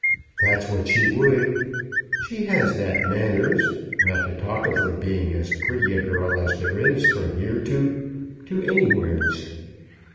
That's what she would; she has that manners, not to talk of her being as pretty a girl as there is from here to, to anywheres.